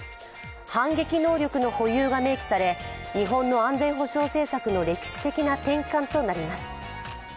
反撃能力の保有が明記され日本の安全保障政策の歴史的な転換となります。